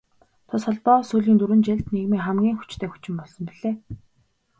Тус холбоо сүүлийн дөрвөн жилд нийгмийн хамгийн хүчтэй хүчин болсон билээ.